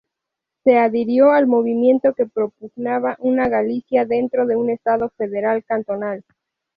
Se adhirió al movimiento que propugnaba una Galicia dentro de un Estado federal cantonal.